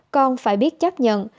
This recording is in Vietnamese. con phải biết chấp nhận